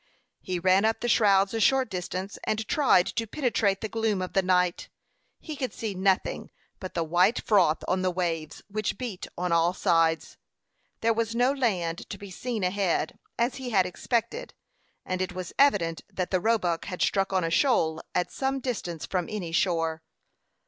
He ran up the shrouds a short distance, and tried to penetrate the gloom of the night. He could see nothing but the white froth on the waves, which beat on all sides. There was no land to be seen ahead, as he had expected, and it was evident that the Roebuck had struck on a shoal, at some distance from any shore.